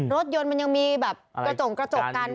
รถยนต์มันยังมีแบบกระจงกระจกกัน